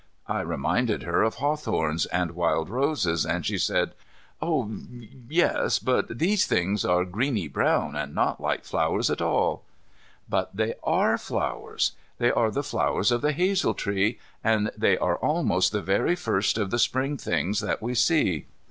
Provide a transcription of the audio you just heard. I reminded her of hawthorns and wild roses, and she said, "Oh, yes, but these things are greeny brown and not like flowers at all." But they are flowers. They are the flowers of the hazel tree, and they are almost the very first of the Spring things that we see.